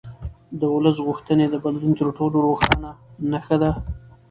د ولس غوښتنې د بدلون تر ټولو روښانه نښه ده